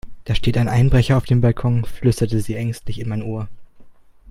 Da steht ein Einbrecher auf dem Balkon, flüsterte sie ängstlich in mein Ohr.